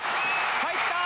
入った！